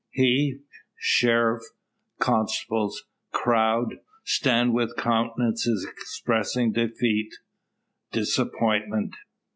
He, sheriff, constables, crowd, stand with countenances expressing defeat disappointment.